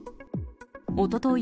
おととい